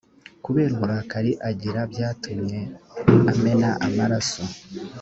kubera uburakari agira byatumye amena amaraso